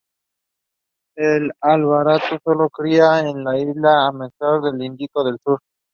Este albatros sólo cría en la isla de Ámsterdam, en el Índico sur.